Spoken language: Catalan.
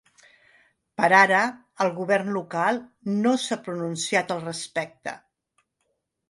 Per ara el govern local no s’ha pronunciat al respecte.